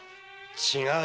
違う！